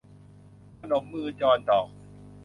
พนมมือจรดอก